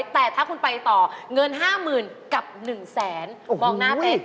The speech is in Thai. แต่ถ้าคุณไปต่อเงิน๕๐๐๐๐กับ๑๐๐๐๐๐บาท